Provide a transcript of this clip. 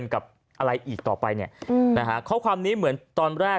กับอะไรอีกต่อไปเขาความนี้เหมือนตอนแรก